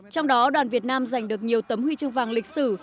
trong đó đoàn việt nam giành được nhiều tấm huy chương vàng lịch sử